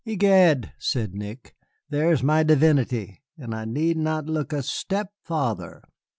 "Egad," said Nick, "there is my divinity, and I need not look a step farther."